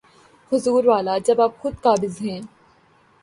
حضور والا، جب آپ خود قابض ہیں۔